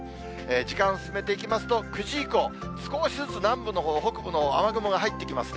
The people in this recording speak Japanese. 時間進めていきますと、９時以降、少しずつ南部のほう、北部のほう、雨雲が入ってきますね。